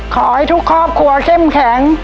ขอให้ทุกครอบครัวเข้มแข็ง